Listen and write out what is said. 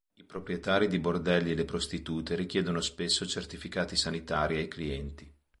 I proprietari di bordelli e le prostitute richiedono spesso certificati sanitari ai clienti.